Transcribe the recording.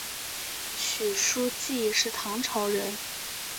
许叔冀是唐朝人。